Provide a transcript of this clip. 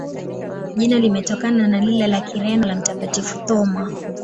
Jina limetokana na lile la Kireno la Mtakatifu Thoma.